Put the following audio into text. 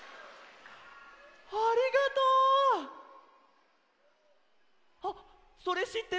ありがとう！あっそれしってる！